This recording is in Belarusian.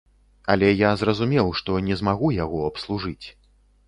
Але я зразумеў, што не змагу яго абслужыць.